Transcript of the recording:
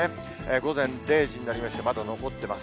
午前０時になりまして、まだ残っています。